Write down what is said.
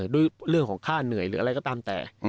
ด้วยเรื่องของค่าเหนื่อยหรืออะไรก็ตามแต่